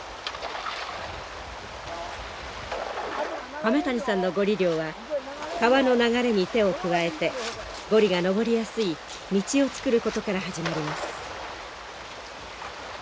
亀谷さんのゴリ漁は川の流れに手を加えてゴリが上りやすい道を作ることから始まります。